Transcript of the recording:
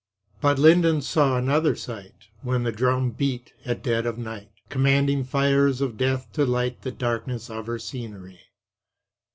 But Linden saw another sight, When the drum beat, at dead of night, Commanding fires of death to light The darkness of her scenery.